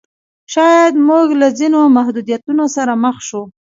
شاید موږ له ځینو محدودیتونو سره مخ شو.